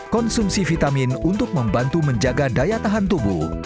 konsumsi vitamin untuk membantu menjaga daya tahan tubuh